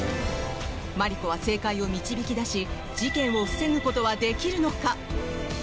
マリコは正解を導き出し事件を防ぐことはできるのか。